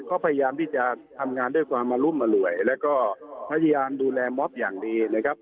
ก็พยายามที่จะทำงานด้วยความอรุมอร่วยแล้วก็พยายามดูแลม็อบอย่างดีนะครับ